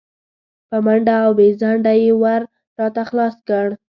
په منډه او بې ځنډه یې ور راته خلاص کړ.